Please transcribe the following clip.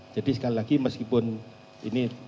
jadi sekali lagi meskipun ini